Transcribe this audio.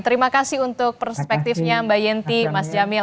terima kasih untuk perspektifnya mbak yenti mas jamil